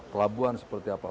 pelabuhan seperti apa